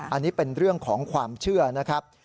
อันนี้เป็นเรื่องของความเชื่อนะครับ